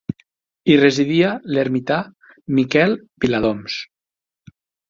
Hi residia l'ermità Miquel Viladoms.